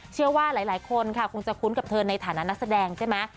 เชื่อว่าหลายคนค่ะคงจะคุ้นกับเธอในฐานะนักแสดงใช่ไหม